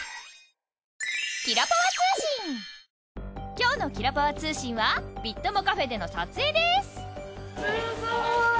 今日のキラパワつうしんはビッ友カフェでの撮影です！